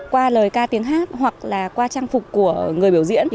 qua lời ca tiếng hát hoặc là qua trang phục của người biểu diễn